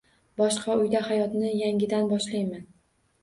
Boshqa uyda hayotni yangidan boshlayman